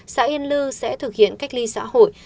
xã yên lư sẽ thực hiện cách ly xã hội